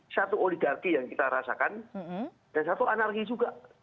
satu oligarki yang kita rasakan dan satu anarki juga